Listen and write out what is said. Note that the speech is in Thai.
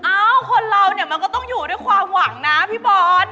คนเราเนี่ยมันก็ต้องอยู่ด้วยความหวังนะพี่บอล